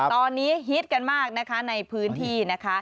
ตอนนี้ฮิตกันมากนะคะในพื้นที่นะคะ